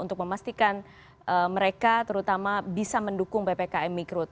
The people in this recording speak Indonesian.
untuk memastikan mereka terutama bisa mendukung ppkm mikro